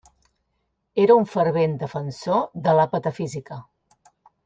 Era un fervent defensor de la patafísica.